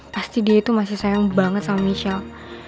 pasti dia itu masih sayang banget sama michelle